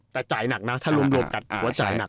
แต่กินจ่ายหนัก